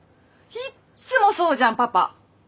いっつもそうじゃんパパ！